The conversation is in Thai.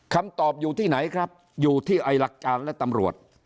คำตอบอยู่ที่ไหนครับอยู่ที่ไอ้หลักการและตำรวจ